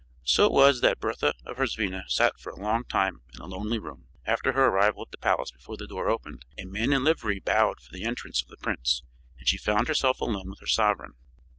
So it was that Bertha of Herzvina sat for a long time in a lonely room, after her arrival at the palace before the door opened, a man in livery bowed for the entrance of the prince, and she found herself alone with her sovereign.